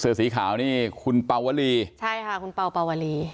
เสื้อสีขาวนี่คุณปาววาลีใช่ค่ะคุณปาวปาววาลี